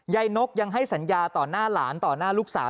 นกยังให้สัญญาต่อหน้าหลานต่อหน้าลูกสาว